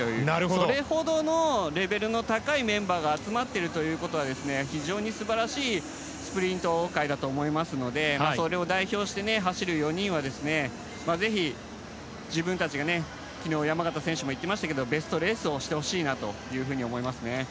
それほどのレベルの高いメンバーが集まっているということは非常に素晴らしいスプリント界だと思いますのでそれを代表して走る４人はぜひ、自分たちが昨日、山縣選手も言ってましたがベストレースをしてほしいなと思います。